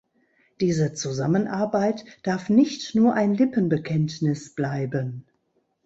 Diese Zusammenarbeit darf nicht nur ein Lippenbekenntnis bleiben.